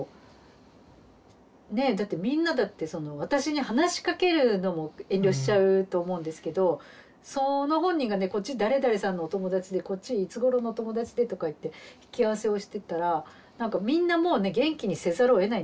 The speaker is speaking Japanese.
ねえだってみんなだってその私に話しかけるのも遠慮しちゃうと思うんですけどその本人がねこっち誰々さんのお友達でこっちいつごろのお友達でとか言って引き合わせをしてたらなんかみんなもうね元気にせざるをえない。